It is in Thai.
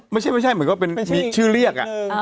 ไม่ใช่เหมือนกับเป็นชื่อเรียก